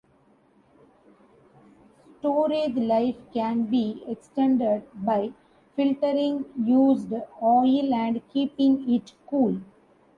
Storage life can be extended by filtering used oil and keeping it cool.